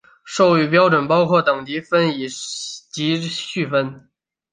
授予标准包括等级分以及序分。